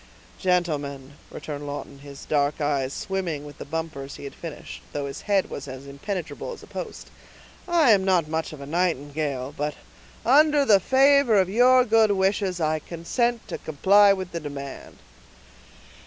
"Gentlemen," returned Lawton, his dark eyes swimming with the bumpers he had finished, though his head was as impenetrable as a post; "I am not much of a nightingale, but, under the favor of your good wishes, I consent to comply with the demand."